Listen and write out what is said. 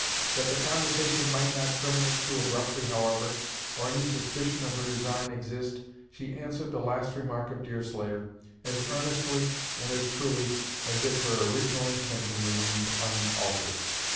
That the conversation might not terminate too abruptly, however, or any suspicion of her design exist, she answered the last remark of Deerslayer, as earnestly and as truly as if her original intention remained unaltered.